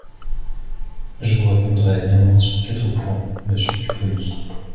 Je vous répondrai néanmoins sur quatre points, monsieur Pupponi.